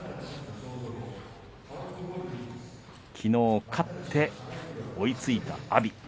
きのう勝って追いついた阿炎。